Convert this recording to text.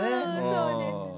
そうですね。